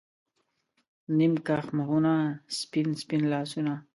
نیم کښ مخونه، سپین، سپین لاسونه